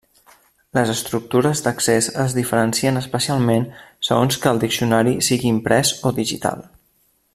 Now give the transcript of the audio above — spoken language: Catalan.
Les estructures d'accés es diferencien especialment segons que el diccionari sigui imprès o digital.